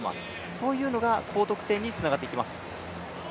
そういうのが高得点につながっていきます。